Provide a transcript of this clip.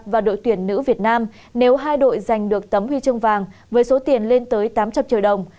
và đội tuyển nữ việt nam nếu hai đội giành được tấm huy chương vàng với số tiền lên tới tám trăm linh triệu đồng